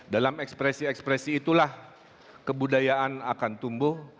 dalam ekspresi ekspresi itulah kebudayaan akan tumbuh